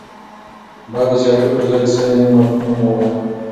باید د جګړې پر ځای د سولې مفهوم ووایم.